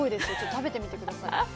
食べてみてください。